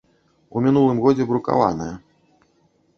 У мінулым годзе брукаваная.